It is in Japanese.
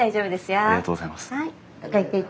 ありがとうございます。